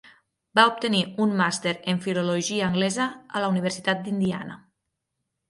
Va obtenir un màster en filologia anglesa a la Universitat d'Indiana.